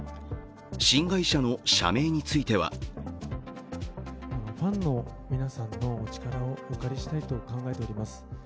新会社の社名についてはファンの皆さんのお力をお借りしたいと考えております。